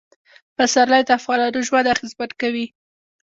پسرلی د افغانانو ژوند اغېزمن کوي.